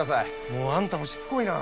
もうあんたもしつこいな。